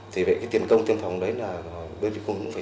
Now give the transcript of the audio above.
thì vậy tiền công tiêm phòng đấy là đơn vị cũng phải